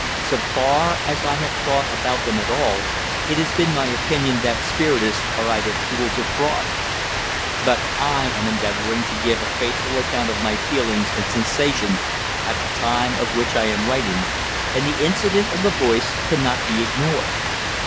So far as I have thought about them at all, it has been my opinion that spiritists are either fools or frauds. But I am endeavouring to give a faithful account of my feelings and sensations at the time of which I am writing, and the incident of the voice cannot be ignored.